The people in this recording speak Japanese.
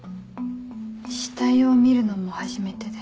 死体を見るのも初めてで。